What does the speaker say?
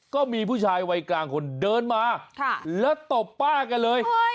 ก็มีผู้ชายวัยกลางคนเดินมาแล้วตบป้าแกเลย